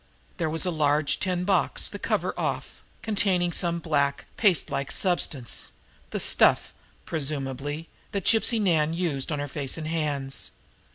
There was a large tin box, the cover off, containing some black, pastelike substance the "stuff," presumably, that Gypsy Nan used on her face and hands.